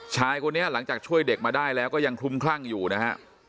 ชายคนนี้หลังจากช่วยเด็กมาได้แล้วก็ยังคลุมคลั่งอยู่นะฮะ